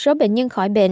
hai số bệnh nhân khỏi bệnh